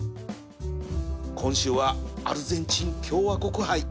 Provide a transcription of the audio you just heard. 今週はアルゼンチン共和国杯